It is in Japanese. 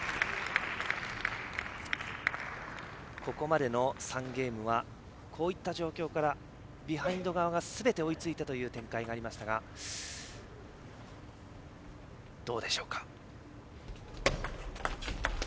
ここまでの３ゲームはこういった状況からビハインド側がすべて追いついてという展開でしたが、どうでしょうか。